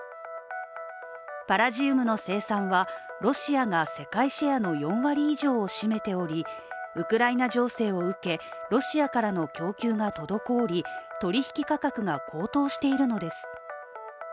パラジウムの生産は、ロシアが世界シェアの４割以上を占めておりウクライナ情勢を受け、ロシアからの供給が滞り、取引価格が高騰しているのです。